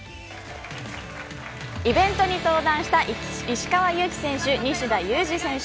イベントに登壇した石川祐希選手西田有志選手